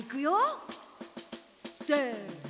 せの！